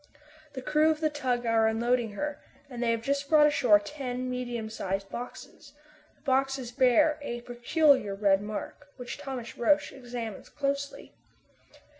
The crew of the tug are unloading her, and they have just brought ashore ten medium sized boxes. These boxes bear a peculiar red mark, which Thomas Roch examines closely.